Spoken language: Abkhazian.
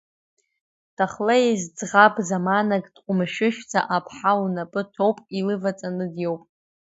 Дахлеиз, ӡӷаб заманак дҟәымшәышәӡа аԥҳал лнапы ҭоуп, илываҵаны диоуп.